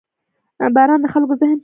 • باران د خلکو ذهن تازه کوي.